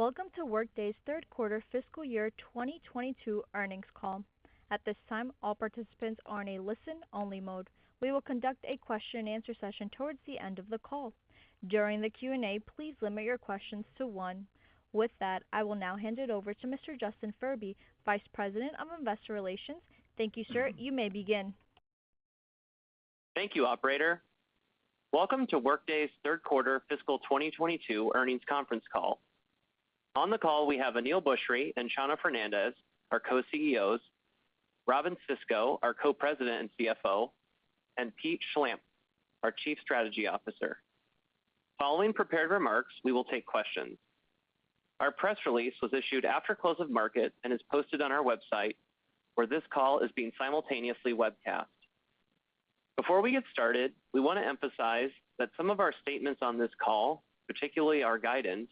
Welcome to Workday's Q3 Fiscal Year 2022 Earnings Call. At this time, all participants are in a listen-only mode. We will conduct a question and answer session towards the end of the call. During the Q&A, please limit your questions to one. With that, I will now hand it over to Mr. Justin Furby, Vice President of Investor Relations. Thank you, sir. You may begin. Thank you, operator. Welcome to Workday's Q3 fiscal 2022 earnings conference call. On the call, we have Aneel Bhusri and Chano Fernandez, our Co-CEOs, Robynne Sisco, our Co-President and CFO, and Pete Schlampp, our Chief Strategy Officer. Following prepared remarks, we will take questions. Our press release was issued after close of market and is posted on our website, where this call is being simultaneously webcast. Before we get started, we wanna emphasize that some of our statements on this call, particularly our guidance,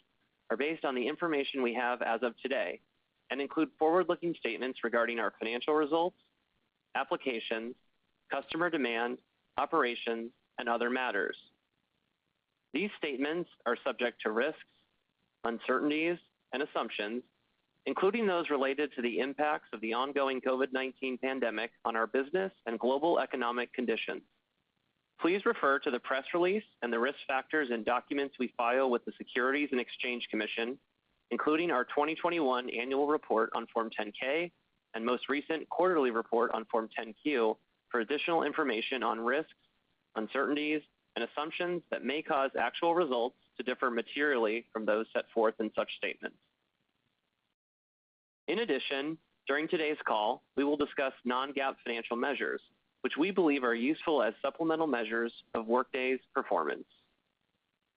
are based on the information we have as of today and include forward-looking statements regarding our financial results, applications, customer demand, operations, and other matters. These statements are subject to risks, uncertainties, and assumptions, including those related to the impacts of the ongoing COVID-19 pandemic on our business and global economic conditions. Please refer to the press release and the risk factors and documents we file with the Securities and Exchange Commission, including our 2021 annual report on Form 10-K and most recent quarterly report on Form 10-Q for additional information on risks, uncertainties, and assumptions that may cause actual results to differ materially from those set forth in such statements. In addition, during today's call, we will discuss non-GAAP financial measures, which we believe are useful as supplemental measures of Workday's performance.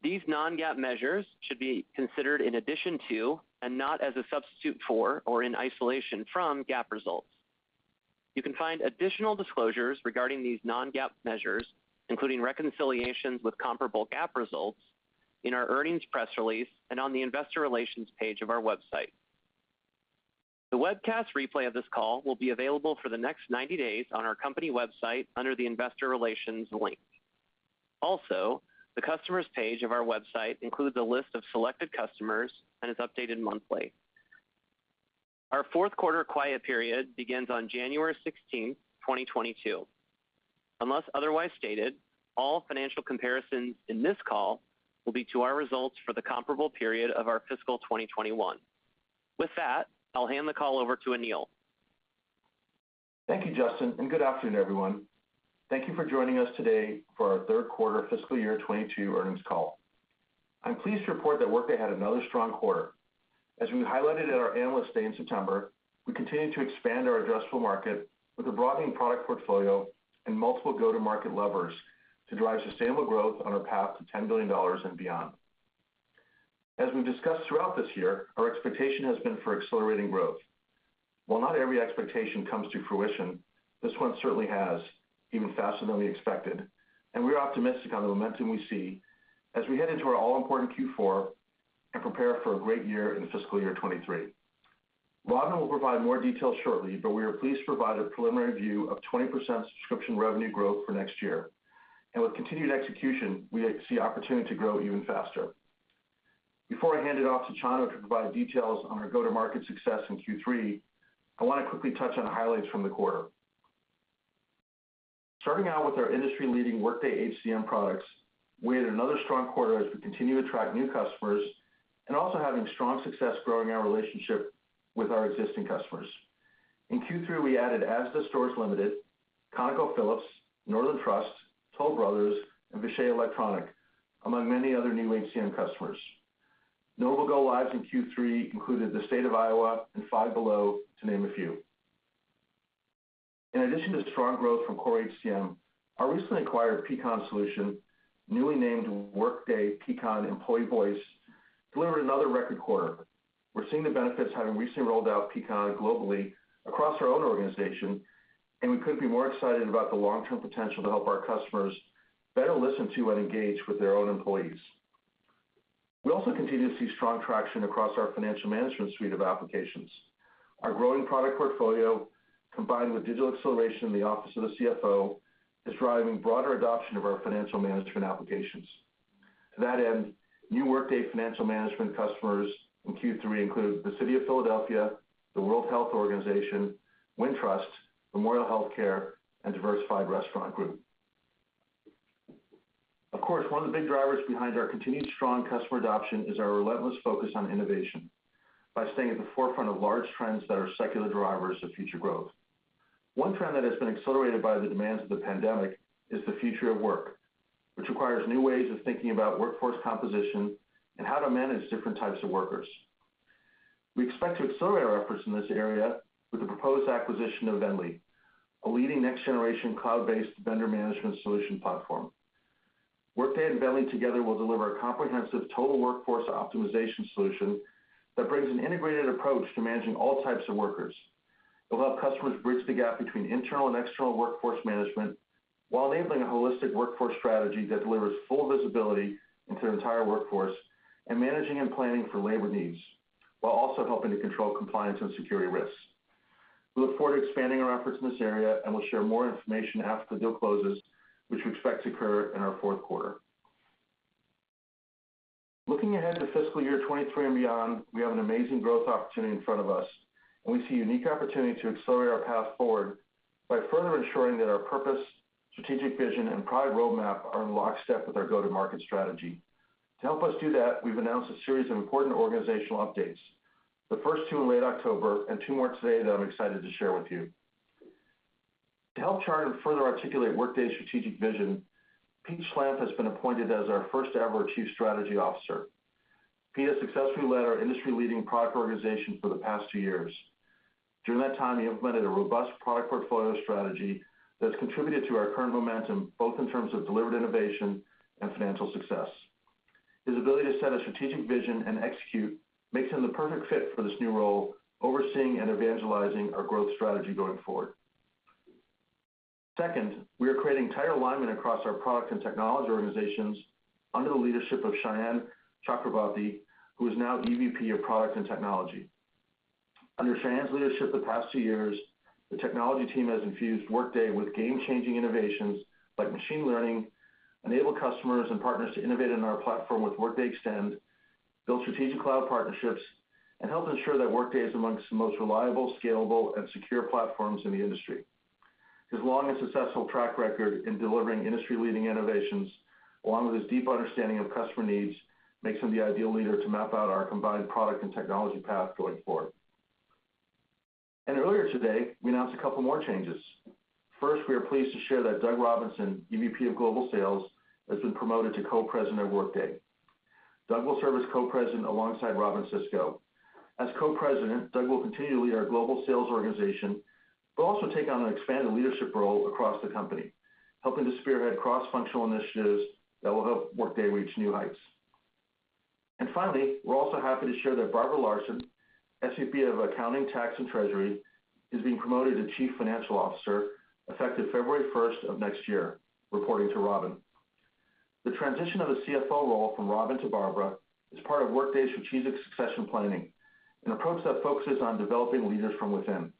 These non-GAAP measures should be considered in addition to and not as a substitute for or in isolation from GAAP results. You can find additional disclosures regarding these non-GAAP measures, including reconciliations with comparable GAAP results in our earnings press release and on the investor relations page of our website. The webcast replay of this call will be available for the next 90 days on our company website under the Investor Relations link. The customers page of our website includes a list of selected customers and is updated monthly. Our Q4 quiet period begins on January 16, 2022. Unless otherwise stated, all financial comparisons in this call will be to our results for the comparable period of our fiscal 2021. With that, I'll hand the call over to Aneel. Thank you, Justin, and good afternoon, everyone. Thank you for joining us today for our Q3 fiscal year 2022 earnings call. I'm pleased to report that Workday had another strong quarter. As we highlighted at our Analyst Day in September, we continue to expand our addressable market with a broadening product portfolio and multiple go-to-market levers to drive sustainable growth on our path to $10 billion and beyond. As we've discussed throughout this year, our expectation has been for accelerating growth. While not every expectation comes to fruition, this one certainly has, even faster than we expected, and we're optimistic on the momentum we see as we head into our all-important Q4 and prepare for a great year in fiscal year 2023. Robyn will provide more details shortly, but we are pleased to provide a preliminary view of 20% subscription revenue growth for next year. With continued execution, we see opportunity to grow even faster. Before I hand it off to Chano to provide details on our go-to-market success in Q3, I wanna quickly touch on highlights from the quarter. Starting out with our industry-leading Workday HCM products, we had another strong quarter as we continue to attract new customers and also having strong success growing our relationship with our existing customers. In Q3, we added Asda Stores Limited, ConocoPhillips, Northern Trust, Toll Brothers, and Vishay Intertechnology, among many other new HCM customers. Notable go-lives in Q3 included the State of Iowa and Five Below, to name a few. In addition to strong growth from core HCM, our recently acquired Peakon solution, newly named Workday Peakon Employee Voice, delivered another record quarter. We're seeing the benefits having recently rolled out Peakon globally across our own organization, and we couldn't be more excited about the long-term potential to help our customers better listen to and engage with their own employees. We also continue to see strong traction across our Financial Management suite of applications. Our growing product portfolio, combined with digital acceleration in the office of the CFO, is driving broader adoption of our Financial Management applications. To that end, new Workday Financial Management customers in Q3 include the City of Philadelphia, the World Health Organization, Wintrust, Memorial Healthcare, and Diversified Restaurant Group. Of course, one of the big drivers behind our continued strong customer adoption is our relentless focus on innovation by staying at the forefront of large trends that are secular drivers of future growth. One trend that has been accelerated by the demands of the pandemic is the future of work, which requires new ways of thinking about workforce composition and how to manage different types of workers. We expect to accelerate our efforts in this area with the proposed acquisition of VNDLY, a leading next-generation cloud-based vendor management solution platform. Workday and VNDLY together will deliver a comprehensive total workforce optimization solution that brings an integrated approach to managing all types of workers. It will help customers bridge the gap between internal and external workforce management while enabling a holistic workforce strategy that delivers full visibility into their entire workforce and managing and planning for labor needs, while also helping to control compliance and security risks. We look forward to expanding our efforts in this area, and we'll share more information after the deal closes, which we expect to occur in our Q4. Looking ahead to fiscal year 2023 and beyond, we have an amazing growth opportunity in front of us, and we see a unique opportunity to accelerate our path forward by further ensuring that our purpose, strategic vision, and product roadmap are in lockstep with our go-to-market strategy. To help us do that, we've announced a series of important organizational updates. The first two in late October and two more today that I'm excited to share with you. To help chart and further articulate Workday's strategic vision, Pete Schlampp has been appointed as our first-ever Chief Strategy Officer. Pete has successfully led our industry-leading product organization for the past two years. During that time, he implemented a robust product portfolio strategy that's contributed to our current momentum, both in terms of delivered innovation and financial success. His ability to set a strategic vision and execute makes him the perfect fit for this new role, overseeing and evangelizing our growth strategy going forward. Second, we are creating tighter alignment across our product and technology organizations under the leadership of Sayan Chakraborty, who is now EVP of product and technology. Under Sayan's leadership the past two years, the technology team has infused Workday with game-changing innovations like machine learning, enabled customers and partners to innovate in our platform with Workday Extend, build strategic cloud partnerships, and helped ensure that Workday is amongst the most reliable, scalable, and secure platforms in the industry. His long and successful track record in delivering industry-leading innovations, along with his deep understanding of customer needs, makes him the ideal leader to map out our combined product and technology path going forward. Earlier today, we announced a couple more changes. First, we are pleased to share that Doug Robinson, EVP of global sales, has been promoted to Co-President of Workday. Doug will serve as Co-President alongside Robynne Sisco. As Co-President, Doug will continue to lead our global sales organization, but also take on an expanded leadership role across the company, helping to spearhead cross-functional initiatives that will help Workday reach new heights. We're also happy to share that Barbara Larson, SVP of accounting, tax, and treasury, is being promoted to Chief Financial Officer, effective February first of next year, reporting to Robynne. The transition of the CFO role from Robynne to Barbara is part of Workday's strategic succession planning, an approach that focuses on developing leaders from within.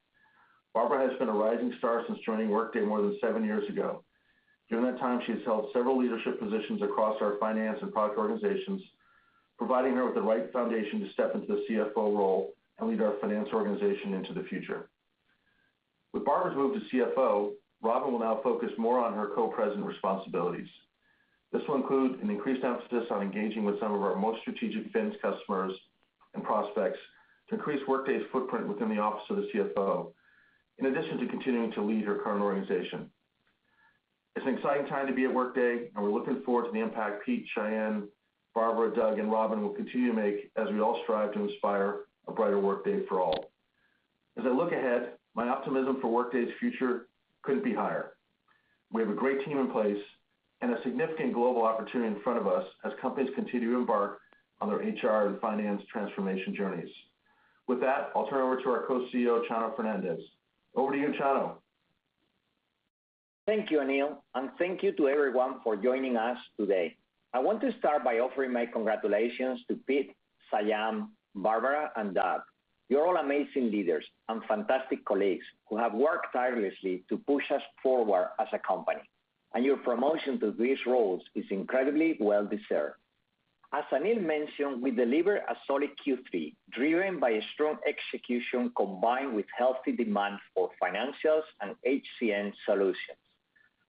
Barbara has been a rising star since joining Workday more than seven years ago. During that time, she has held several leadership positions across our finance and product organizations, providing her with the right foundation to step into the CFO role and lead our finance organization into the future. With Barbara's move to CFO, Robynne will now focus more on her co-president responsibilities. This will include an increased emphasis on engaging with some of our most strategic Fins customers and prospects to increase Workday's footprint within the office of the CFO, in addition to continuing to lead her current organization. It's an exciting time to be at Workday, and we're looking forward to the impact Pete, Sayan, Barbara, Doug, and Robynne will continue to make as we all strive to inspire a brighter Workday for all. As I look ahead, my optimism for Workday's future couldn't be higher. We have a great team in place and a significant global opportunity in front of us as companies continue to embark on their HR and finance transformation journeys. With that, I'll turn it over to our co-CEO, Chano Fernandez. Over to you, Chano. Thank you, Aneel, and thank you to everyone for joining us today. I want to start by offering my congratulations to Pete, Sayan, Barbara, and Doug. You're all amazing leaders and fantastic colleagues who have worked tirelessly to push us forward as a company, and your promotion to these roles is incredibly well-deserved. As Aneel mentioned, we delivered a solid Q3, driven by a strong execution combined with healthy demand for financials and HCM solutions.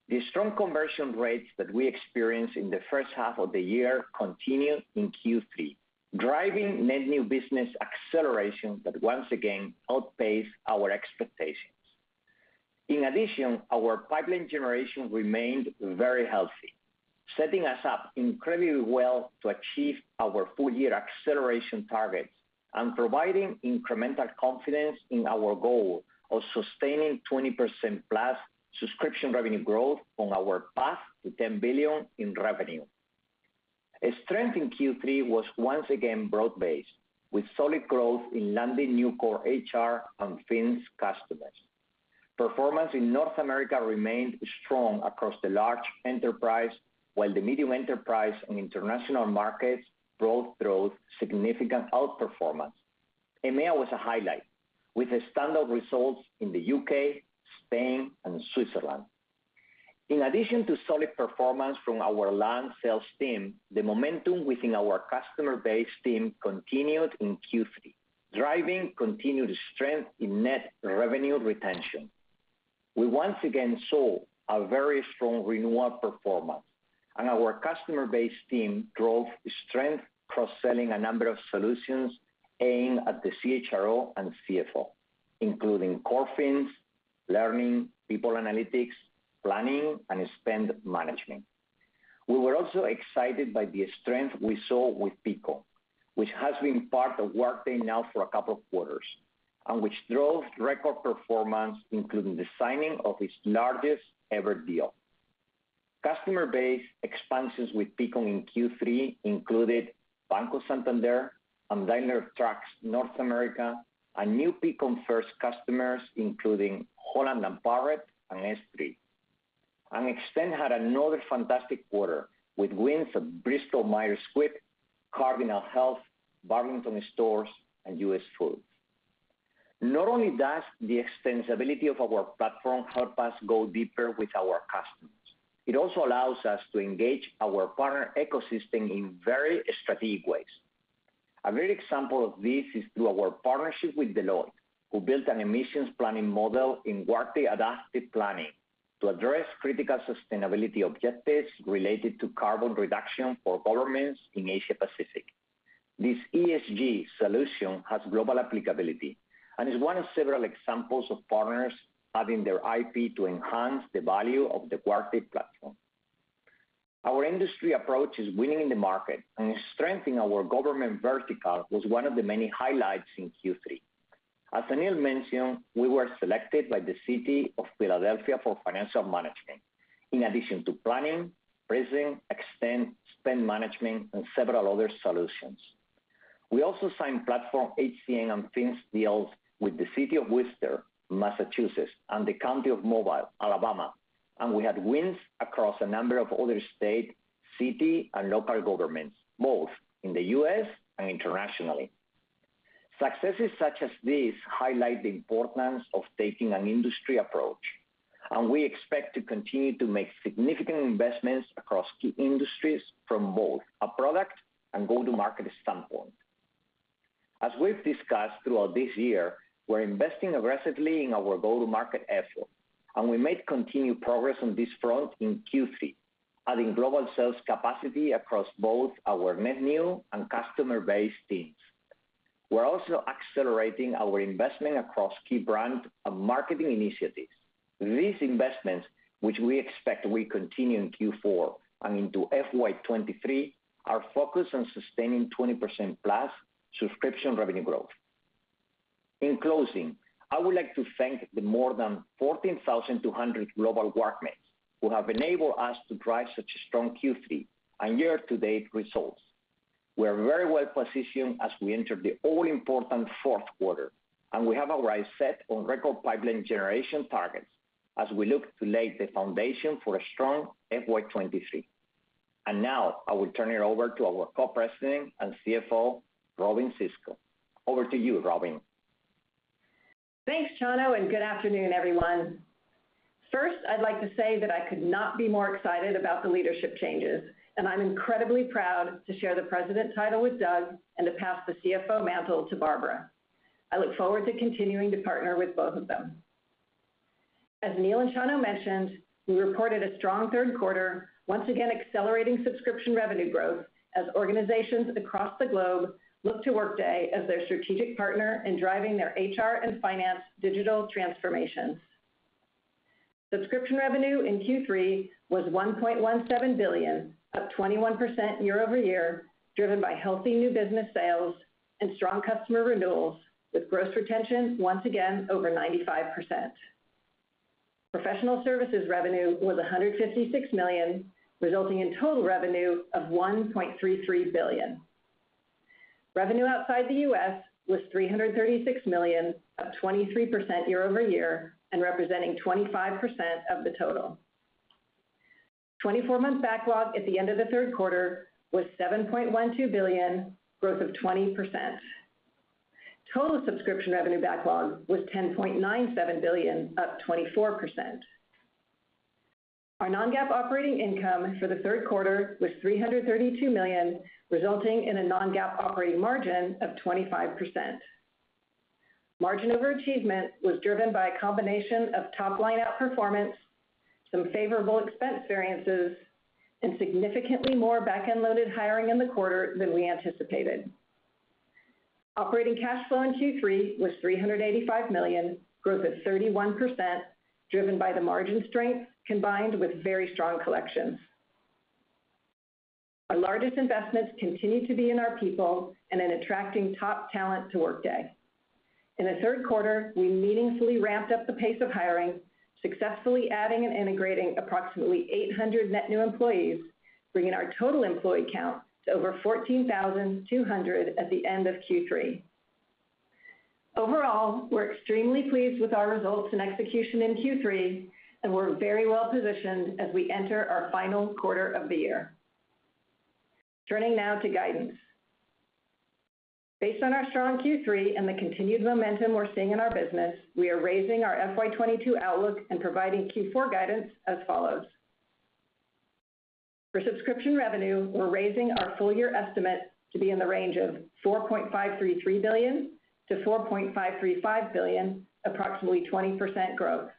The strong conversion rates that we experienced in the H1 of the year continued in Q3, driving net new business acceleration that once again outpaced our expectations. In addition, our pipeline generation remained very healthy, setting us up incredibly well to achieve our full-year acceleration targets and providing incremental confidence in our goal of sustaining 20%+ subscription revenue growth on our path to $10 billion in revenue. Strength in Q3 was once again broad-based, with solid growth in landing new core HR and Financials customers. Performance in North America remained strong across the large enterprise, while the medium enterprise and international markets both drove significant outperformance. EMEA was a highlight, with the standout results in the U.K., Spain, and Switzerland. In addition to solid performance from our land sales team, the momentum within our customer base team continued in Q3, driving continued strength in net revenue retention. We once again saw a very strong renewal performance, and our customer base team drove strength cross-selling a number of solutions aimed at the CHRO and CFO, including core Financials, Learning, People Analytics, Planning, and Spend Management. We were also excited by the strength we saw with Peakon, which has been part of Workday now for a couple of quarters, and which drove record performance, including the signing of its largest-ever deal. Customer base expansions with Peakon in Q3 included Banco Santander and Daimler Truck North America, and new Peakon first customers, including Holland & Barrett and S3. Extend had another fantastic quarter with wins of Bristol Myers Squibb, Cardinal Health, Burlington Stores, and US Foods. Not only does the extensibility of our platform help us go deeper with our customers, it also allows us to engage our partner ecosystem in very strategic ways. A great example of this is through our partnership with Deloitte, who built an emissions planning model in Workday Adaptive Planning to address critical sustainability objectives related to carbon reduction for governments in Asia Pacific. This ESG solution has global applicability and is one of several examples of partners adding their IP to enhance the value of the Workday platform. Our industry approach is winning in the market, and strengthening our government vertical was one of the many highlights in Q3. As Aneel mentioned, we were selected by the City of Philadelphia for financial management, in addition to planning, sourcing, Extend, spend management, and several other solutions. We also signed platform HCM and Financials deals with the City of Worcester, Massachusetts, and Mobile County, Alabama, and we had wins across a number of other state, city, and local governments, both in the U.S. and internationally. Successes such as these highlight the importance of taking an industry approach, and we expect to continue to make significant investments across key industries from both a product and go-to-market standpoint. As we've discussed throughout this year, we're investing aggressively in our go-to-market effort, and we made continued progress on this front in Q3, adding global sales capacity across both our net new and customer base teams. We're also accelerating our investment across key brand and marketing initiatives. These investments, which we expect will continue in Q4 and into FY 2023, are focused on sustaining 20%+ subscription revenue growth. In closing, I would like to thank the more than 14,200 global Workmates who have enabled us to drive such a strong Q3 and year-to-date results. We are very well positioned as we enter the all-important Q4, and we have our eyes set on record pipeline generation targets as we look to lay the foundation for a strong FY 2023. Now I will turn it over to our Co-President and CFO, Robynne Sisco. Over to you, Robynne. Thanks, Chano, and good afternoon, everyone. First, I'd like to say that I could not be more excited about the leadership changes, and I'm incredibly proud to share the president title with Doug and to pass the CFO mantle to Barbara. I look forward to continuing to partner with both of them. As Aneel and Chano mentioned, we reported a strong Q3, once again accelerating subscription revenue growth as organizations across the globe look to Workday as their strategic partner in driving their HR and finance digital transformations. Subscription revenue in Q3 was $1.17 billion, up 21% year-over-year, driven by healthy new business sales and strong customer renewals, with gross retention once again over 95%. Professional services revenue was $156 million, resulting in total revenue of $1.33 billion. Revenue outside the U.S. was $336 million, up 23% year-over-year and representing 25% of the total. 24-month backlog at the end of the Q3 was $7.12 billion, growth of 20%. Total subscription revenue backlog was $10.97 billion, up 24%. Our non-GAAP operating income for the Q3 was $332 million, resulting in a non-GAAP operating margin of 25%. Margin overachievement was driven by a combination of top-line outperformance, some favorable expense variances, and significantly more back-end loaded hiring in the quarter than we anticipated. Operating cash flow in Q3 was $385 million, growth of 31%, driven by the margin strength combined with very strong collections. Our largest investments continue to be in our people and in attracting top talent to Workday. In the Q3, we meaningfully ramped up the pace of hiring, successfully adding and integrating approximately 800 net new employees, bringing our total employee count to over 14,200 at the end of Q3. Overall, we're extremely pleased with our results and execution in Q3, and we're very well positioned as we enter our final quarter of the year. Turning now to guidance. Based on our strong Q3 and the continued momentum we're seeing in our business, we are raising our FY 2022 outlook and providing Q4 guidance as follows. For subscription revenue, we're raising our full year estimate to be in the range of $4.533 billion-$4.535 billion, approximately 20% growth.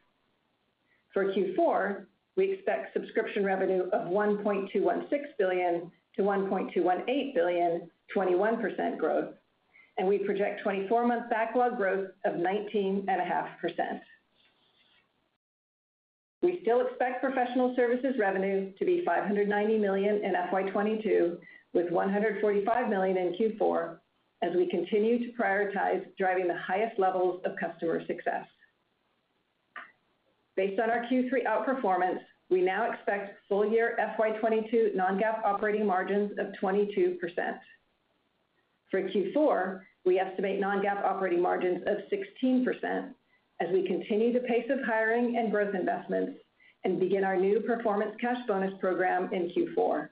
For Q4, we expect subscription revenue of $1.216 billion-$1.218 billion, 21% growth. We project 24-month backlog growth of 19.5%. We still expect professional services revenue to be $590 million in FY 2022, with $145 million in Q4 as we continue to prioritize driving the highest levels of customer success. Based on our Q3 outperformance, we now expect full year FY 2022 non-GAAP operating margins of 22%. For Q4, we estimate non-GAAP operating margins of 16% as we continue the pace of hiring and growth investments and begin our new performance cash bonus program in Q4.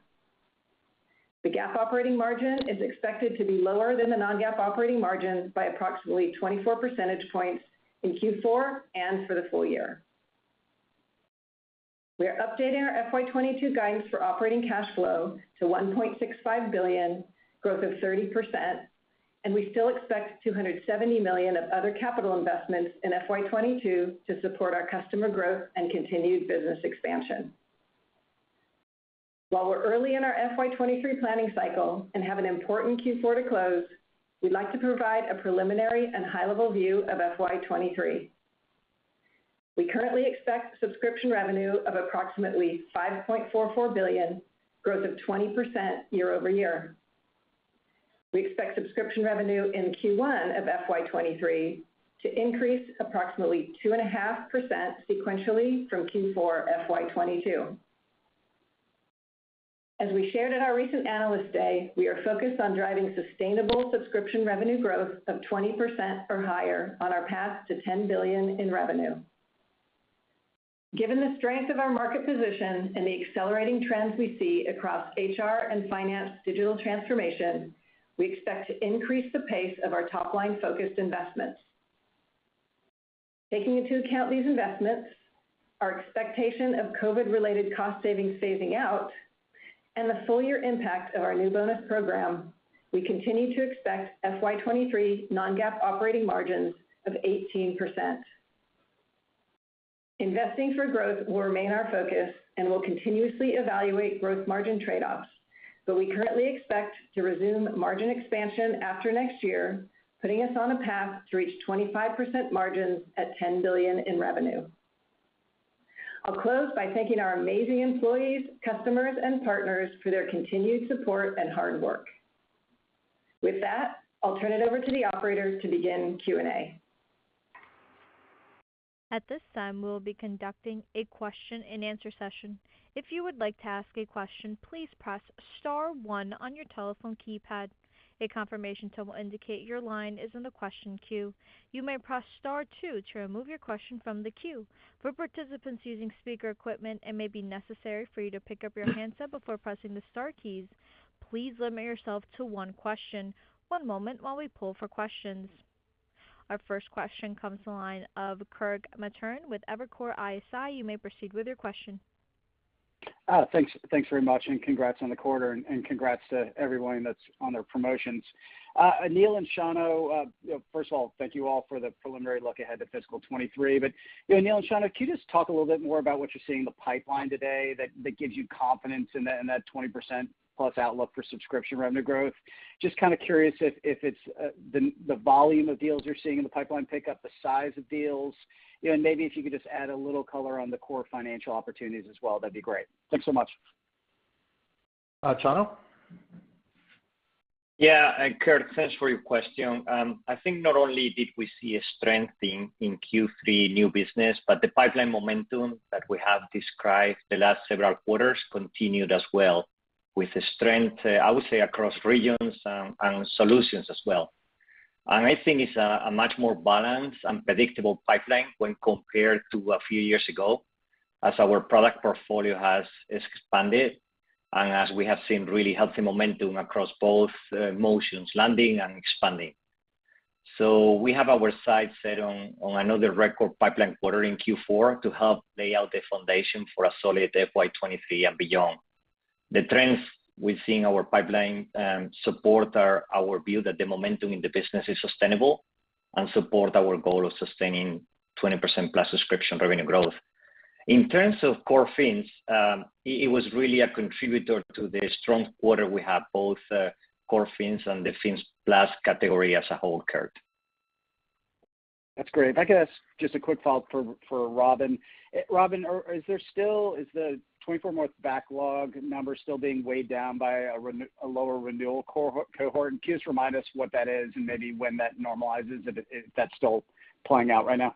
The GAAP operating margin is expected to be lower than the non-GAAP operating margin by approximately 24 percentage points in Q4 and for the full year. We are updating our FY 2022 guidance for operating cash flow to $1.65 billion, 30% growth, and we still expect $270 million of other capital investments in FY 2022 to support our customer growth and continued business expansion. While we're early in our FY 2023 planning cycle and have an important Q4 to close, we'd like to provide a preliminary and high-level view of FY 2023. We currently expect subscription revenue of approximately $5.44 billion, 20% year-over-year growth. We expect subscription revenue in Q1 of FY 2023 to increase approximately 2.5% sequentially from Q4 FY 2022. As we shared at our recent Analyst Day, we are focused on driving sustainable subscription revenue growth of 20% or higher on our path to $10 billion in revenue. Given the strength of our market position and the accelerating trends we see across HR and finance digital transformation, we expect to increase the pace of our top-line focused investments. Taking into account these investments, our expectation of COVID-related cost savings phasing out, and the full year impact of our new bonus program, we continue to expect FY 2023 non-GAAP operating margins of 18%. Investing for growth will remain our focus, and we'll continuously evaluate growth margin trade-offs. We currently expect to resume margin expansion after next year, putting us on a path to reach 25% margins at $10 billion in revenue. I'll close by thanking our amazing employees, customers, and partners for their continued support and hard work. With that, I'll turn it over to the operators to begin Q&A. At this time, we will be conducting a question-and-answer session. If you would like to ask a question, please press star one on your telephone keypad. A confirmation tone will indicate your line is in the question queue. You may press star two to remove your question from the queue. For participants using speaker equipment, it may be necessary for you to pick up your handset before pressing the star keys. Please limit yourself to one question. One moment while we pull for questions. Our first question comes to the line of Kirk Materne with Evercore ISI. You may proceed with your question. Thanks very much, and congrats on the quarter, and congrats to everyone that's on their promotions. Aneel and Chano, you know, first of all, thank you all for the preliminary look ahead to fiscal 2023. You know, Aneel and Chano, can you just talk a little bit more about what you're seeing in the pipeline today that gives you confidence in that 20%+ outlook for subscription revenue growth? Just kinda curious if it's the volume of deals you're seeing in the pipeline pick up, the size of deals. You know, and maybe if you could just add a little color on the core financial opportunities as well, that'd be great. Thanks so much. Chano? Yeah. Kirk, thanks for your question. I think not only did we see a strength in Q3 new business, but the pipeline momentum that we have described the last several quarters continued as well with a strength I would say across regions and solutions as well. I think it's a much more balanced and predictable pipeline when compared to a few years ago as our product portfolio has expanded and as we have seen really healthy momentum across both motions, landing and expanding. We have our sights set on another record pipeline quarter in Q4 to help lay out the foundation for a solid FY 2023 and beyond. The trends we've seen in our pipeline support our view that the momentum in the business is sustainable and support our goal of sustaining 20% plus subscription revenue growth. In terms of core Financials, it was really a contributor to the strong quarter we have, both core Financials and the Fins Plus category as a whole, Kirk. That's great. If I could ask just a quick follow-up for Robynne. Robynne, is there still the 24-month backlog number still being weighed down by a lower renewal cohort? And can you just remind us what that is and maybe when that normalizes if that's still playing out right now?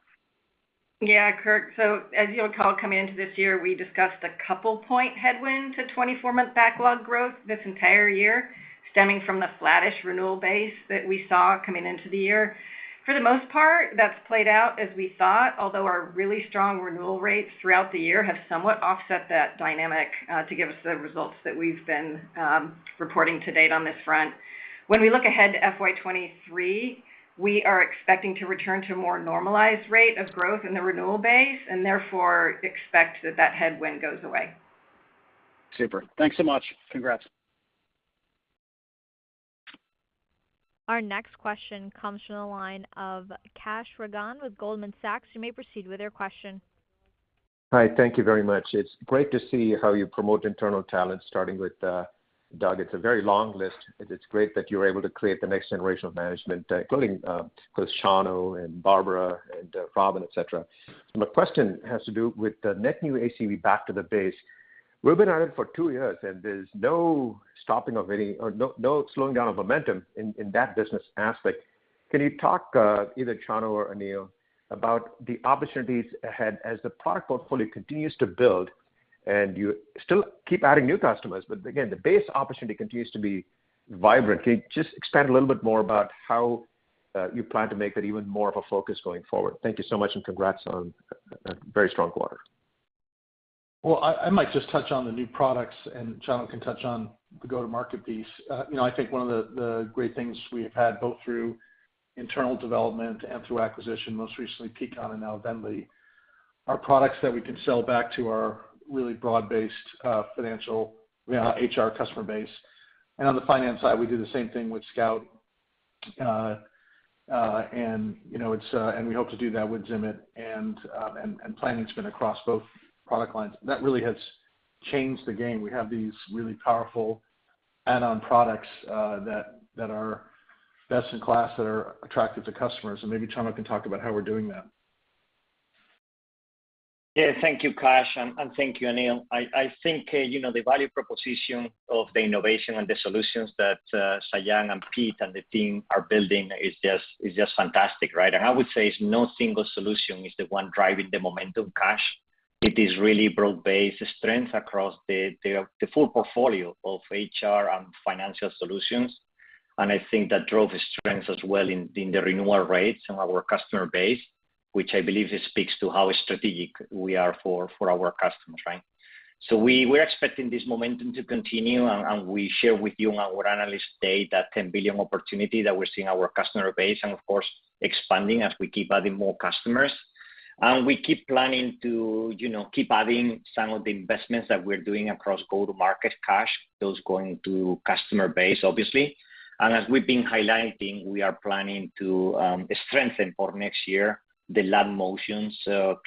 Yeah, Kirk. As you'll recall, coming into this year, we discussed a 2-point headwind to 24-month backlog growth this entire year stemming from the flattish renewal base that we saw coming into the year. For the most part, that's played out as we thought, although our really strong renewal rates throughout the year have somewhat offset that dynamic to give us the results that we've been reporting to date on this front. When we look ahead to FY 2023, we are expecting to return to a more normalized rate of growth in the renewal base and therefore expect that headwind goes away. Super. Thanks so much. Congrats. Our next question comes from the line of Kash Rangan with Goldman Sachs. You may proceed with your question. Hi, thank you very much. It's great to see how you promote internal talent, starting with Doug. It's a very long list. It's great that you're able to create the next generation of management, including both Chano and Barbara and Robynne, et cetera. My question has to do with the net new ACV back to the base. We've been at it for two years, and there's no stopping of any or no slowing down of momentum in that business aspect. Can you talk, either Chano or Aneel, about the opportunities ahead as the product portfolio continues to build. You still keep adding new customers. Again, the base opportunity continues to be vibrant. Can you just expand a little bit more about how you plan to make that even more of a focus going forward? Thank you so much, and congrats on a very strong quarter. Well, I might just touch on the new products, and Chano can touch on the go-to-market piece. You know, I think one of the great things we have had both through internal development and through acquisition, most recently Peakon and now VNDLY, are products that we can sell back to our really broad-based financial, you know, HR customer base. On the finance side, we do the same thing with Scout, and we hope to do that with Zimit and Planning spin across both product lines. That really has changed the game. We have these really powerful add-on products that are best in class that are attractive to customers, and maybe Chano can talk about how we're doing that. Yeah. Thank you, Kash, and thank you, Aneel. I think, you know, the value proposition of the innovation and the solutions that Sayan and Pete and the team are building is just fantastic, right? I would say it's no single solution is the one driving the momentum, Kash. It is really broad-based strength across the full portfolio of HR and financial solutions. I think that drove strength as well in the renewal rates in our customer base, which I believe speaks to how strategic we are for our customers, right? We're expecting this momentum to continue, and we share with you on our Analyst Day that $10 billion opportunity that we're seeing in our customer base and, of course, expanding as we keep adding more customers. We keep planning to keep adding some of the investments that we're doing across go-to-market, Kash. Those going to customer base, obviously. As we've been highlighting, we are planning to strengthen for next year the land motions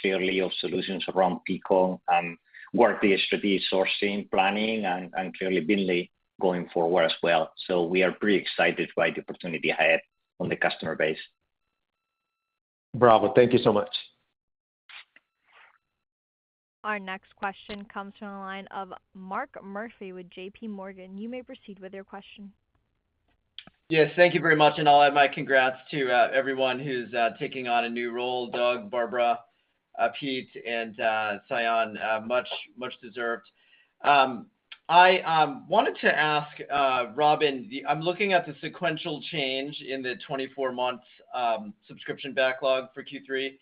clearly our solutions around Peakon and Workday Strategic Sourcing, Adaptive Planning and clearly VNDLY going forward as well. We are pretty excited by the opportunity ahead on the customer base. Bravo. Thank you so much. Our next question comes from the line of Mark Murphy with JPMorgan. You may proceed with your question. Yes, thank you very much, and I'll add my congrats to everyone who's taking on a new role, Doug, Barbara, Pete and Sayan, much deserved. I wanted to ask, Robynne, I'm looking at the sequential change in the 24-month subscription backlog for Q3.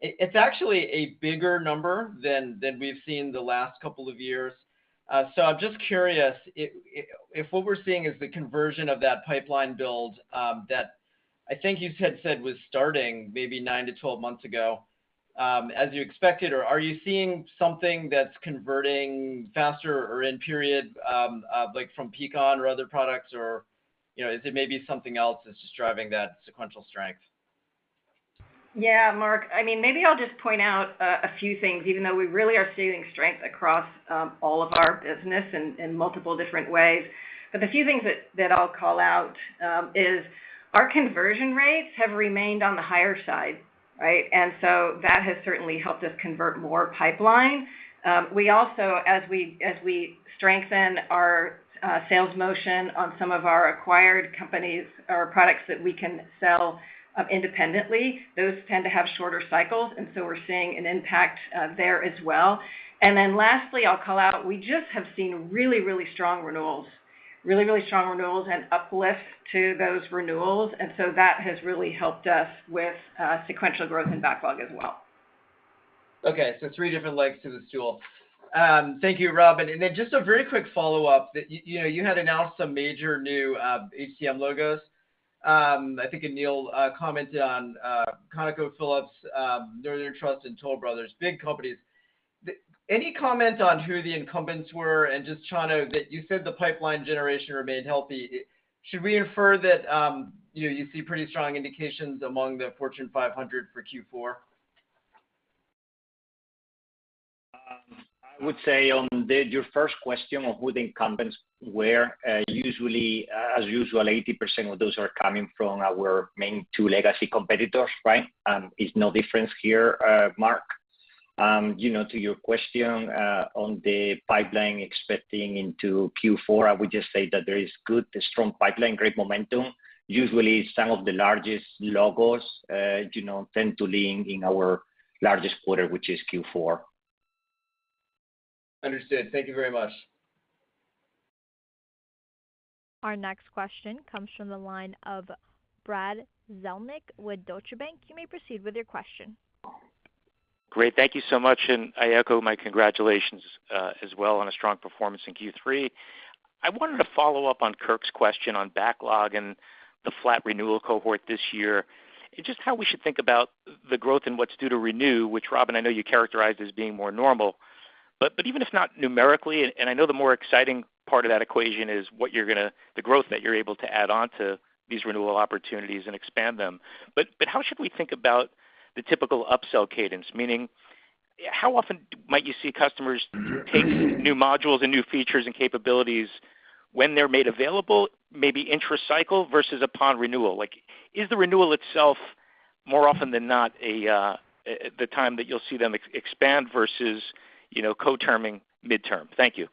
It's actually a bigger number than we've seen the last couple of years. So I'm just curious if what we're seeing is the conversion of that pipeline build that I think you said was starting maybe nine to 12 months ago, as you expected, or are you seeing something that's converting faster or in period, like from Peakon or other products, or, you know, is it maybe something else that's just driving that sequential strength? Yeah, Mark. I mean, maybe I'll just point out a few things, even though we really are seeing strength across all of our business in multiple different ways. The few things that I'll call out is our conversion rates have remained on the higher side, right? That has certainly helped us convert more pipeline. We also, as we strengthen our sales motion on some of our acquired companies or products that we can sell independently, those tend to have shorter cycles, and so we're seeing an impact there as well. Lastly, I'll call out, we just have seen really strong renewals. Really strong renewals and uplift to those renewals, and so that has really helped us with sequential growth and backlog as well. Okay. Three different legs to the stool. Thank you, Robynne. Then just a very quick follow-up that, you know, you had announced some major new HCM logos. I think Aneel commented on ConocoPhillips, Northern Trust and Toll Brothers, big companies. Any comment on who the incumbents were, and just Chano, that you said the pipeline generation remained healthy. Should we infer that, you know, you see pretty strong indications among the Fortune 500 for Q4? I would say on your first question of who the incumbents were, usually, as usual, 80% of those are coming from our main two legacy competitors, right? It's no difference here, Mark. You know, to your question, on the pipeline expecting into Q4, I would just say that there is good, strong pipeline, great momentum. Usually some of the largest logos, you know, tend to lean in our largest quarter, which is Q4. Understood. Thank you very much. Our next question comes from the line of Brad Zelnick with Deutsche Bank. You may proceed with your question. Great. Thank you so much, and I echo my congratulations as well on a strong performance in Q3. I wanted to follow up on Kirk's question on backlog and the flat renewal cohort this year. Just how we should think about the growth in what's due to renew, which Robynne, I know you characterized as being more normal. But even if not numerically, and I know the more exciting part of that equation is the growth that you're able to add on to these renewal opportunities and expand them. But how should we think about the typical upsell cadence? Meaning, how often might you see customers take new modules and new features and capabilities when they're made available, maybe intra cycle versus upon renewal? Like, is the renewal itself more often than not the time that you'll see them expand versus, you know, co-terming midterm? Thank you.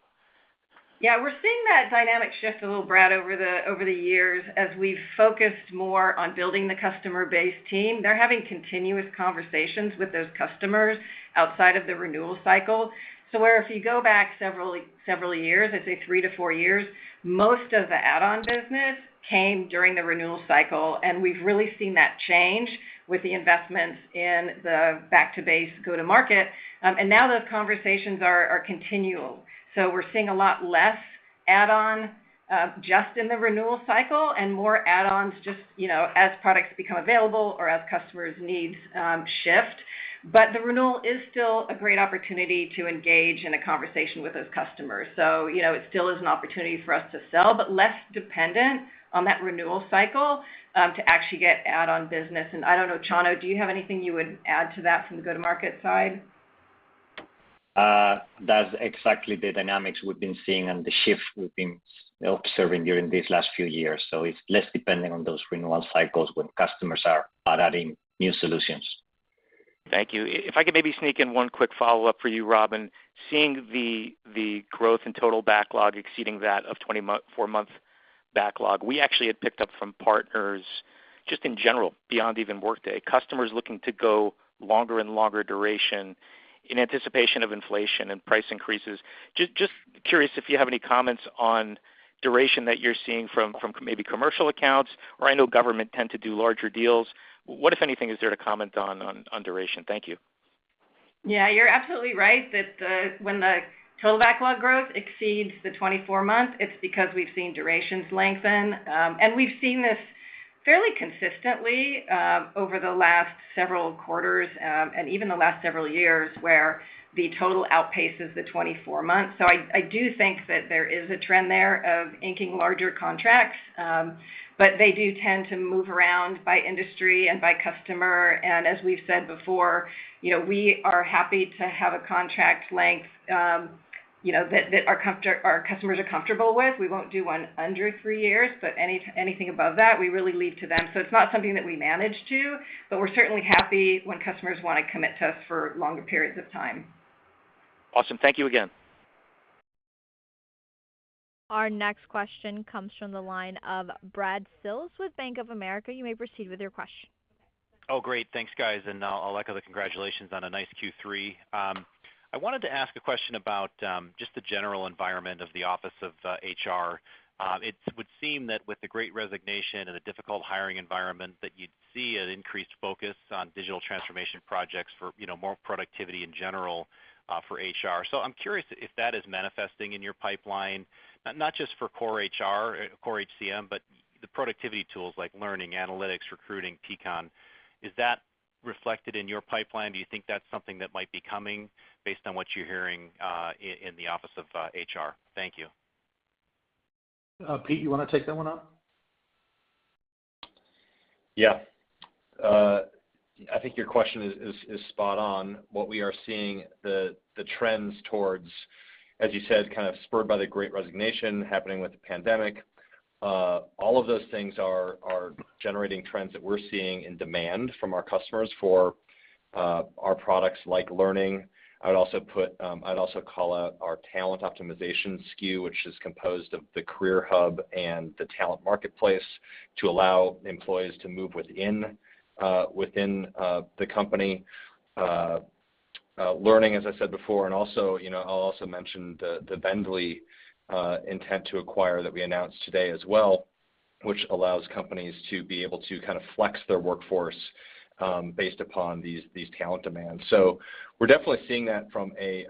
Yeah, we're seeing that dynamic shift a little, Brad, over the years as we've focused more on building the customer base team. They're having continuous conversations with those customers outside of the renewal cycle. Where if you go back several years, I'd say 3-4 years, most of the add-on business came during the renewal cycle, and we've really seen that change with the investments in the back to base go-to-market. Now those conversations are continual. We're seeing a lot less add-on just in the renewal cycle and more add-ons, you know, as products become available or as customers' needs shift. The renewal is still a great opportunity to engage in a conversation with those customers. You know, it still is an opportunity for us to sell, but less dependent on that renewal cycle, to actually get add-on business. I don't know, Chano, do you have anything you would add to that from the go-to-market side? That's exactly the dynamics we've been seeing and the shift we've been observing during these last few years. It's less dependent on those renewal cycles when customers are adding new solutions. Thank you. If I could maybe sneak in one quick follow-up for you, Robynne. Seeing the growth in total backlog exceeding that of 24-month backlog, we actually had picked up from partners just in general, beyond even Workday, customers looking to go longer and longer duration in anticipation of inflation and price increases. Just curious if you have any comments on duration that you're seeing from maybe commercial accounts, or I know government tend to do larger deals. What, if anything, is there to comment on duration? Thank you. Yeah, you're absolutely right that when the total backlog growth exceeds the 24-month, it's because we've seen durations lengthen. We've seen this fairly consistently over the last several quarters and even the last several years, where the total outpaces the 24 months. I do think that there is a trend there of inking larger contracts, but they do tend to move around by industry and by customer. As we've said before, you know, we are happy to have a contract length, you know, that our customers are comfortable with. We won't do one under three years, but anything above that, we really leave to them. It's not something that we manage to, but we're certainly happy when customers want to commit to us for longer periods of time. Awesome. Thank you again. Our next question comes from the line of Brad Sills with Bank of America. You may proceed with your question. Oh, great. Thanks, guys. I'll echo the congratulations on a nice Q3. I wanted to ask a question about just the general environment of the office of HR. It would seem that with the Great Resignation and the difficult hiring environment that you'd see an increased focus on digital transformation projects for, you know, more productivity in general for HR. I'm curious if that is manifesting in your pipeline, not just for core HR, core HCM, but the productivity tools like learning, analytics, recruiting, Peakon. Is that reflected in your pipeline? Do you think that's something that might be coming based on what you're hearing in the office of HR? Thank you. Pete, you want to take that one on? Yeah. I think your question is spot on. What we are seeing the trends towards, as you said, kind of spurred by the great resignation happening with the pandemic, all of those things are generating trends that we're seeing in demand from our customers for our products like Learning. I would also put, I'd also call out our talent optimization SKU, which is composed of the career hub and the talent marketplace to allow employees to move within the company. Learning, as I said before, and also, you know, I'll also mention the VNDLY intent to acquire that we announced today as well, which allows companies to be able to kind of flex their workforce based upon these talent demands. We're definitely seeing that from a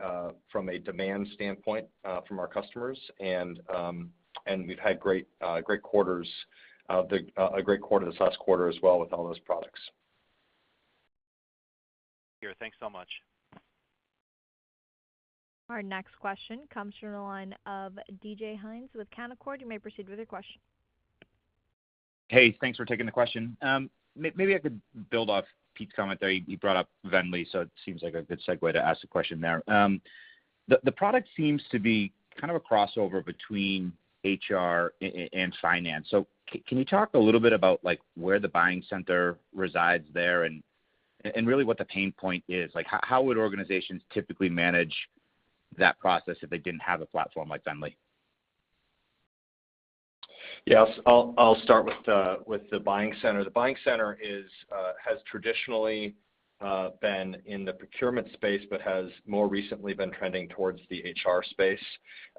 demand standpoint from our customers. We've had great quarters, a great quarter this last quarter as well with all those products. Sure. Thanks so much. Our next question comes from the line of David Hynes with Canaccord. You may proceed with your question. Hey, thanks for taking the question. Maybe I could build off Pete's comment there. He brought up VNDLY, so it seems like a good segue to ask the question there. The product seems to be kind of a crossover between HR and finance. So can you talk a little bit about like where the buying center resides there and really what the pain point is? Like, how would organizations typically manage that process if they didn't have a platform like VNDLY? Yes. I'll start with the buying center. The buying center has traditionally been in the procurement space, but has more recently been trending towards the HR space.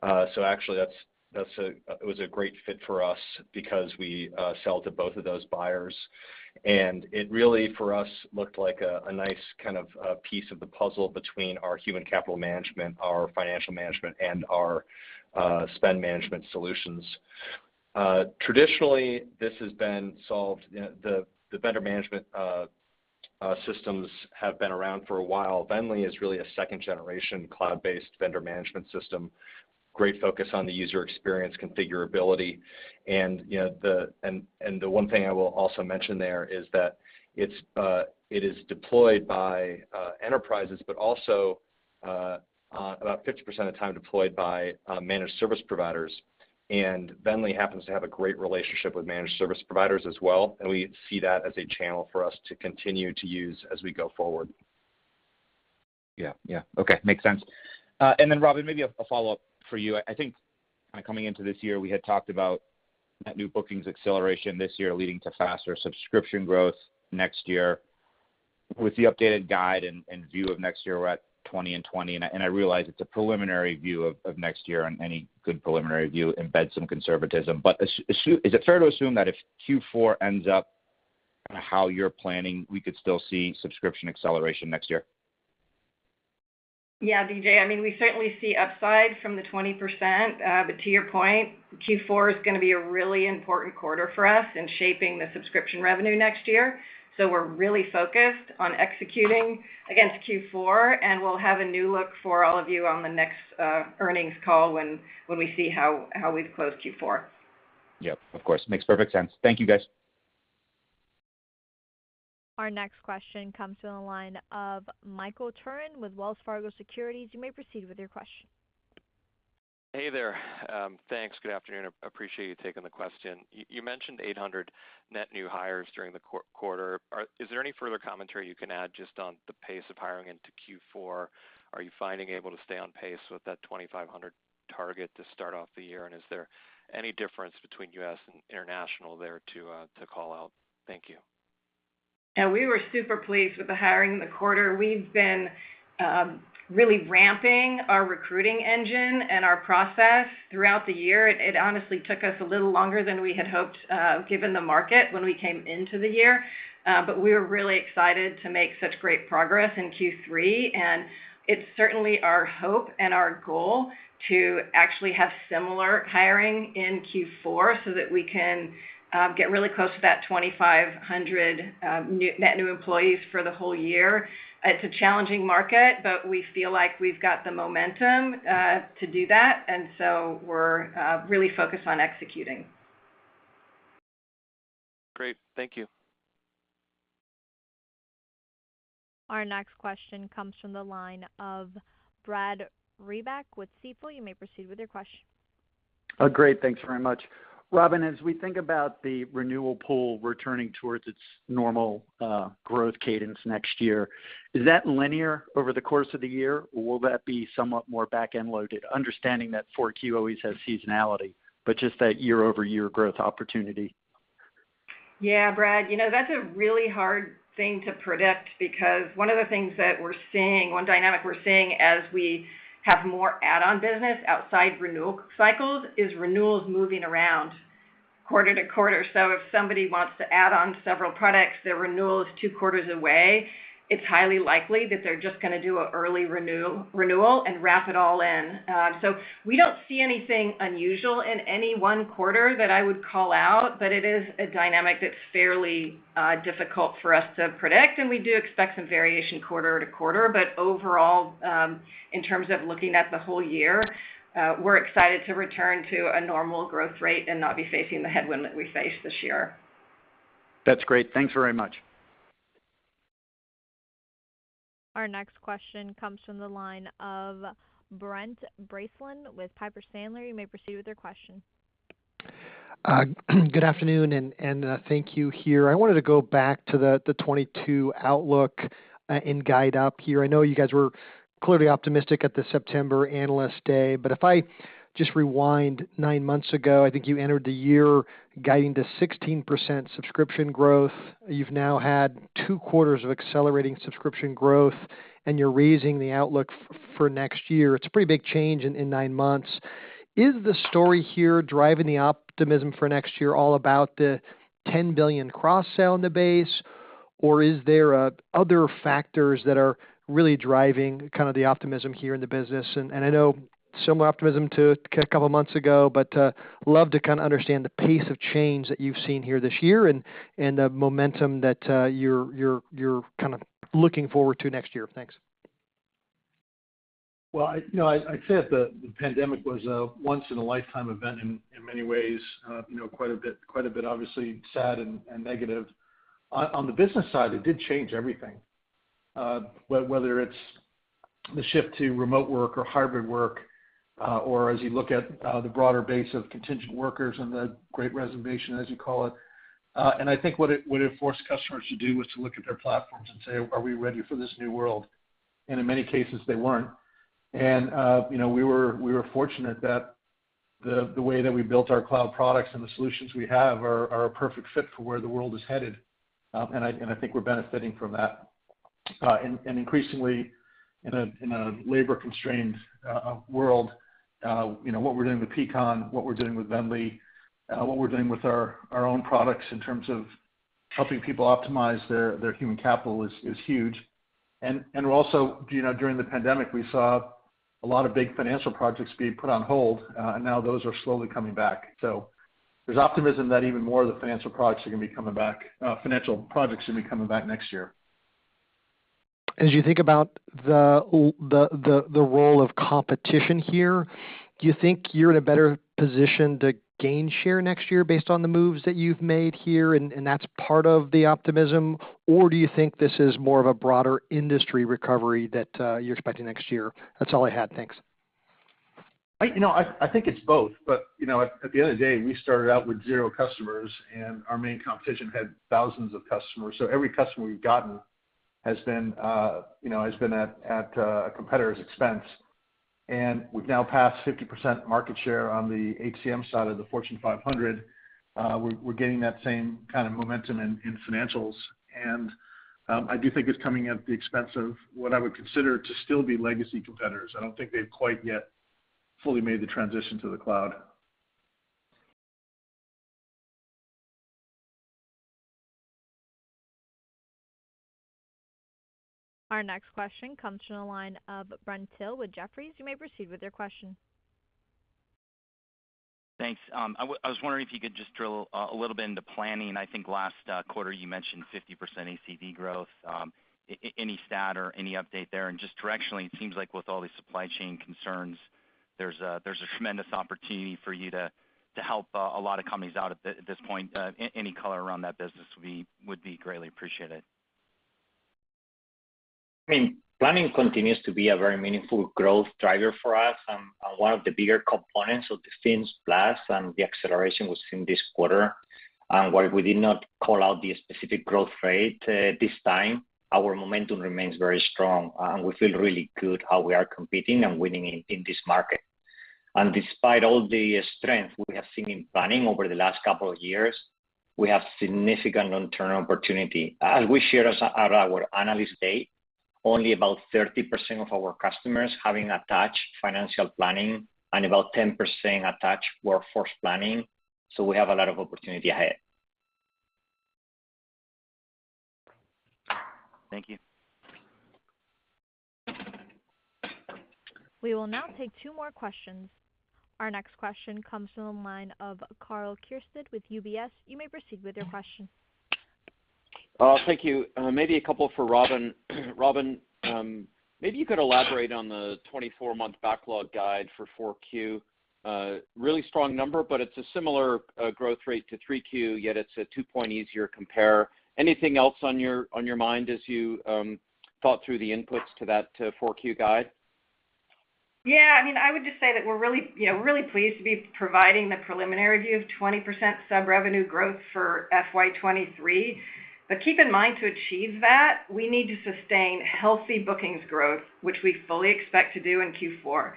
So actually that's a great fit for us because we sell to both of those buyers. It really, for us, looked like a nice kind of piece of the puzzle between our human capital management, our financial management, and our spend management solutions. Traditionally, this has been solved, you know, the vendor management systems have been around for a while. VNDLY is really a second-generation cloud-based vendor management system. Great focus on the user experience configurability. You know, the one thing I will also mention there is that it is deployed by enterprises, but also about 50% of the time deployed by managed service providers. VNDLY happens to have a great relationship with managed service providers as well, and we see that as a channel for us to continue to use as we go forward. Yeah, yeah. Okay. Makes sense. And then Robyn, maybe a follow-up for you. I think kind of coming into this year, we had talked about net new bookings acceleration this year leading to faster subscription growth next year. With the updated guide and view of next year, we're at 20% and 20%, and I realize it's a preliminary view of next year, and any good preliminary view embeds some conservatism. Is it fair to assume that if Q4 ends up kind of how you're planning, we could still see subscription acceleration next year? Yeah, Vijay. I mean, we certainly see upside from the 20%. To your point, Q4 is gonna be a really important quarter for us in shaping the subscription revenue next year. We're really focused on executing against Q4, and we'll have a new look for all of you on the next earnings call when we see how we've closed Q4. Yep, of course. Makes perfect sense. Thank you, guys. Our next question comes from the line of Michael Turrin with Wells Fargo Securities. You may proceed with your question. Hey there. Thanks. Good afternoon. Appreciate you taking the question. You mentioned 800 net new hires during the quarter. Is there any further commentary you can add just on the pace of hiring into Q4? Are you finding able to stay on pace with that 2,500 target to start off the year? Is there any difference between U.S. and international there to call out? Thank you. Yeah, we were super pleased with the hiring in the quarter. We've been really ramping our recruiting engine and our process throughout the year. It honestly took us a little longer than we had hoped, given the market when we came into the year. We were really excited to make such great progress in Q3, and it's certainly our hope and our goal to actually have similar hiring in Q4 so that we can get really close to that 2,500 net new employees for the whole year. It's a challenging market, but we feel like we've got the momentum to do that. We're really focused on executing. Great. Thank you. Our next question comes from the line of Brad Reback with Stifel. You may proceed with your question. Great. Thanks very much. Robyn, as we think about the renewal pool returning towards its normal, growth cadence next year, is that linear over the course of the year, or will that be somewhat more back-end loaded? Understanding that 4Q always has seasonality, but just that year-over-year growth opportunity. Yeah, Brad. You know, that's a really hard thing to predict because one of the things that we're seeing, one dynamic we're seeing as we have more add-on business outside renewal cycles is renewals moving around quarter to quarter. If somebody wants to add on several products, their renewal is two quarters away, it's highly likely that they're just gonna do an early renewal and wrap it all in. We don't see anything unusual in any one quarter that I would call out, but it is a dynamic that's fairly difficult for us to predict, and we do expect some variation quarter to quarter. Overall, in terms of looking at the whole year, we're excited to return to a normal growth rate and not be facing the headwind that we faced this year. That's great. Thanks very much. Our next question comes from the line of Brent Bracelin with Piper Sandler. You may proceed with your question. Good afternoon, thank you here. I wanted to go back to the 2022 outlook and guidance up here. I know you guys were clearly optimistic at the September Analyst Day, but if I just rewind nine months ago, I think you entered the year guiding to 16% subscription growth. You've now had two quarters of accelerating subscription growth, and you're raising the outlook for next year. It's a pretty big change in nine months. Is the story here driving the optimism for next year all about the $10 billion cross-sell in the base, or is there other factors that are really driving kind of the optimism here in the business? I know similar optimism to a couple months ago, but love to kind of understand the pace of change that you've seen here this year and the momentum that you're kind of looking forward to next year. Thanks. Well, you know, I'd say that the pandemic was a once in a lifetime event in many ways, quite a bit obviously sad and negative. On the business side, it did change everything. Whether it's the shift to remote work or hybrid work, or as you look at the broader base of contingent workers and the great resignation, as you call it. I think what it forced customers to do was to look at their platforms and say, "Are we ready for this new world?" In many cases, they weren't. You know, we were fortunate that the way that we built our cloud products and the solutions we have are a perfect fit for where the world is headed. I think we're benefiting from that. Increasingly in a labor-constrained world, you know, what we're doing with Peakon, what we're doing with VNDLY, what we're doing with our own products in terms of helping people optimize their human capital is huge. Also, you know, during the pandemic, we saw a lot of big financial projects being put on hold, and now those are slowly coming back. There's optimism that even more of the financial projects are gonna be coming back next year. As you think about the role of competition here, do you think you're in a better position to gain share next year based on the moves that you've made here, and that's part of the optimism? Or do you think this is more of a broader industry recovery that you're expecting next year? That's all I had. Thanks. You know, I think it's both. You know, at the end of the day, we started out with zero customers, and our main competition had thousands of customers. Every customer we've gotten has been, you know, has been at a competitor's expense. We've now passed 50% market share on the HCM side of the Fortune 500. We're getting that same kind of momentum in financials. I do think it's coming at the expense of what I would consider to still be legacy competitors. I don't think they've quite yet fully made the transition to the cloud. Our next question comes from the line of Brent Thill with Jefferies. You may proceed with your question. Thanks. I was wondering if you could just drill a little bit into planning. I think last quarter you mentioned 50% ACV growth. Any stat or any update there? Just directionally, it seems like with all the supply chain concerns, there's a tremendous opportunity for you to help a lot of companies out at this point. Any color around that business would be greatly appreciated. I mean, planning continues to be a very meaningful growth driver for us and one of the bigger components of the themes last, and the acceleration was in this quarter. While we did not call out the specific growth rate this time, our momentum remains very strong. We feel really good how we are competing and winning in this market. Despite all the strength we have seen in planning over the last couple of years, we have significant long-term opportunity. As we shared at our Analyst Day, only about 30% of our customers having attached financial planning and about 10% attached workforce planning. We have a lot of opportunity ahead. Thank you. We will now take two more questions. Our next question comes from the line of Karl Keirstead with UBS. You may proceed with your question. Thank you. Maybe a couple for Robynne. Robynne, maybe you could elaborate on the 24-month backlog guide for 4Q. Really strong number, but it's a similar growth rate to 3Q, yet it's a 2-point easier compare. Anything else on your mind as you thought through the inputs to that 4Q guide? Yeah, I mean, I would just say that we're really, you know, really pleased to be providing the preliminary view of 20% sub-revenue growth for FY 2023. Keep in mind, to achieve that, we need to sustain healthy bookings growth, which we fully expect to do in Q4.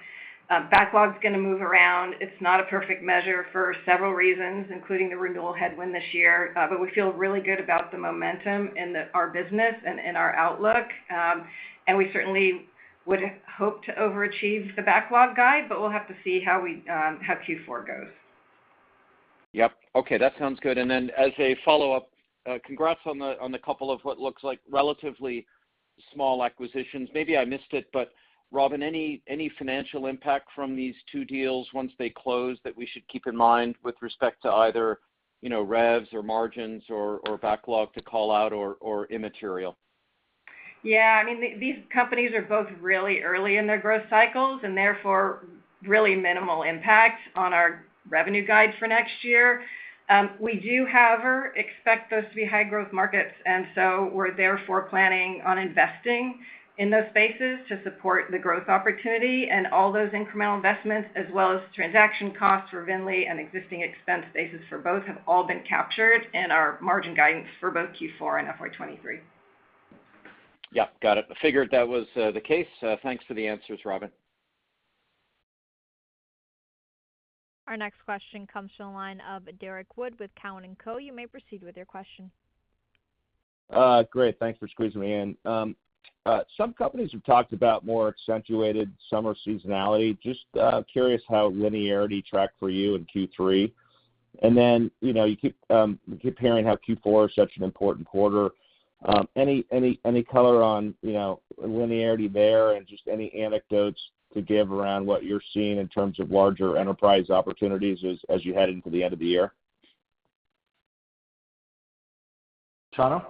Backlog's gonna move around. It's not a perfect measure for several reasons, including the renewal headwind this year. We feel really good about the momentum in our business and in our outlook. We certainly would hope to overachieve the backlog guide, but we'll have to see how Q4 goes. Yep. Okay, that sounds good. Then as a follow-up, congrats on the couple of what looks like relatively small acquisitions. Maybe I missed it, but Robyn, any financial impact from these two deals once they close that we should keep in mind with respect to either revs or margins or backlog to call out or immaterial? Yeah. I mean, these companies are both really early in their growth cycles and therefore really minimal impact on our revenue guide for next year. We do, however, expect those to be high growth markets, and so we're therefore planning on investing in those spaces to support the growth opportunity and all those incremental investments as well as transaction costs for VNDLY and existing expense bases for both have all been captured in our margin guidance for both Q4 and FY 2023. Yeah, got it. I figured that was the case. Thanks for the answers, Robynne. Our next question comes from the line of Derrick Wood with Cowen and Company. You may proceed with your question. Great, thanks for squeezing me in. Some companies have talked about more accentuated summer seasonality. Just curious how linearity tracked for you in Q3. You know, you keep hearing how Q4 is such an important quarter. Any color on, you know, linearity there and just any anecdotes to give around what you're seeing in terms of larger enterprise opportunities as you head into the end of the year? Chano?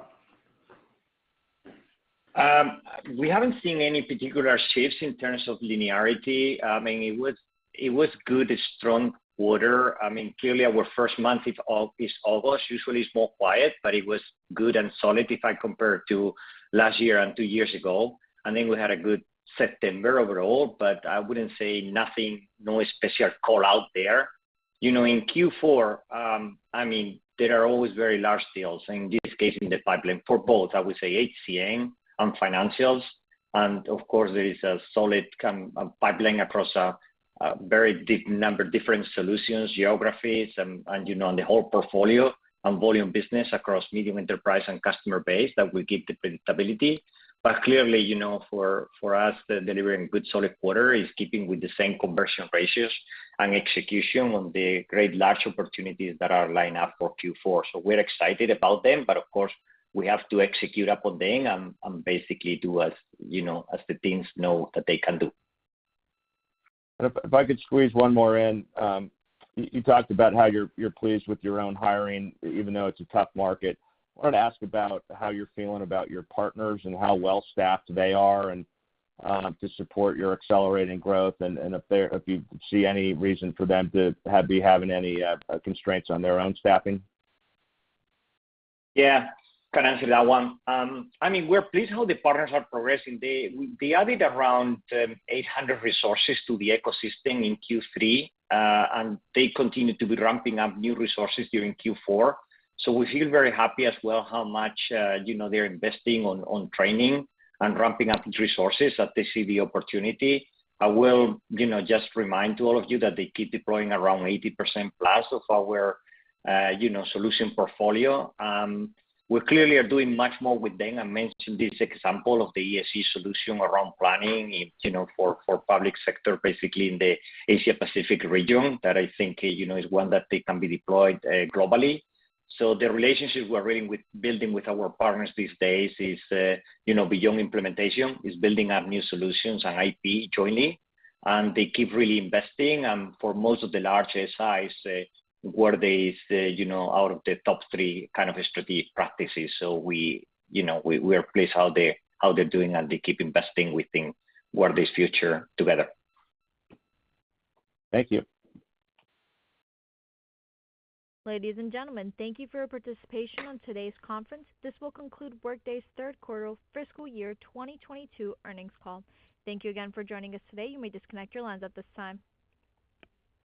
We haven't seen any particular shifts in terms of linearity. It was good, a strong quarter. Clearly, our first month is August, usually it's more quiet, but it was good and solid if I compare to last year and two years ago. I think we had a good September overall, but I wouldn't say nothing, no special call out there. You know, in Q4, there are always very large deals, in this case in the pipeline for both, I would say HCM and Financials. Of course, there is a solid kind of pipeline across a very deep number of different solutions, geographies and you know, the whole portfolio and volume business across medium enterprise and customer base that will give the predictability. Clearly, you know, for us, delivering a good solid quarter is in keeping with the same conversion ratios and execution on the great large opportunities that are lined up for Q4. We're excited about them, but of course, we have to execute upon them and basically do as, you know, as the teams know that they can do. If I could squeeze one more in. You talked about how you're pleased with your own hiring, even though it's a tough market. I wanted to ask about how you're feeling about your partners and how well-staffed they are and to support your accelerating growth and if you see any reason for them to be having any constraints on their own staffing. Yeah, I can answer that one. I mean, we're pleased how the partners are progressing. They added around 800 resources to the ecosystem in Q3, and they continue to be ramping up new resources during Q4. We feel very happy as well how much, you know, they're investing on training and ramping up resources that they see the opportunity. I will, you know, just remind to all of you that they keep deploying around 80% plus of our, you know, solution portfolio. We clearly are doing much more with them. I mentioned this example of the ESG solution around planning in, you know, for public sector, basically in the Asia-Pacific region, that I think, you know, is one that they can be deployed globally. The relationship we're really building with our partners these days is, you know, beyond implementation. It's building up new solutions and IP jointly, and they keep really investing. For most of the large SIs, Workday is, you know, out of the top three kind of strategic practices. We, you know, we are pleased how they're doing, and they keep investing within Workday's future together. Thank you. Ladies and gentlemen, thank you for your participation on today's conference. This will conclude Workday's Q3 Fiscal Year 2022 Earnings Call. Thank you again for joining us today. You may disconnect your lines at this time.